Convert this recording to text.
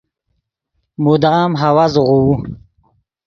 مدام ہوا زوغوؤ